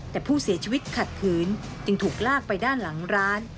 แต่ผู้เสียชีวิตขัดขืนจึงถูกลากไปด้านหลังร้าน